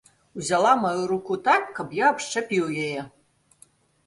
Узяла маю руку так, каб я абшчапіў яе.